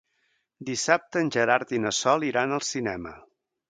Dissabte en Gerard i na Sol iran al cinema.